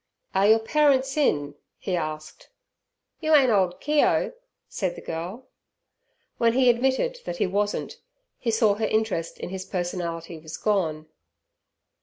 "Are your parents in?" he asked. "You ain't ole Keogh?" said the girl. When he admitted that he wasn't, he saw her interest in his personality was gone.